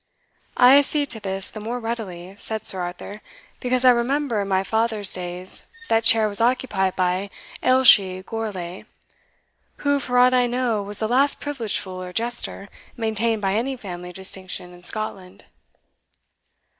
"I accede to this the more readily," said Sir Arthur, "because I remember in my fathers days that chair was occupied by Ailshie Gourlay, who, for aught I know, was the last privileged fool, or jester, maintained by any family of distinction in Scotland."